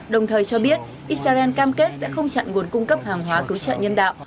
đồng thời cho biết israel cam kết sẽ không chặn nguồn cung cấp hàng hóa cứu trợ nhân đạo